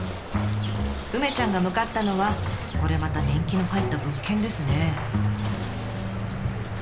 梅ちゃんが向かったのはこれまた年季の入った物件ですね。